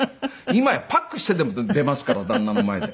今やパックしてでも出ますから旦那の前で。